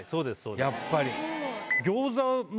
やっぱり！